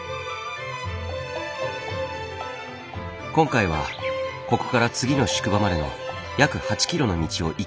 今回はここから次の宿場までの約８ｋｍの道を行き来する。